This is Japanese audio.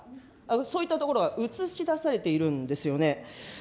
そういったところが映し出されているんですよね。